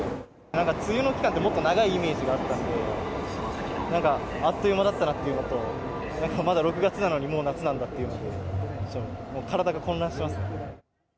なんか梅雨の期間って、もっと長いイメージがあったんで、なんかあっという間だったなというのと、まだ６月なのに、もう夏なんだというので、もう体が混乱してます。